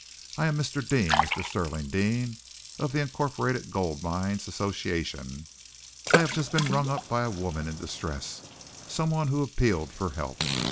I am Mr. Deane Mr. Stirling Deane of the Incorporated Gold Mines Association. I have just been rung up by a woman in distress some one who appealed for help.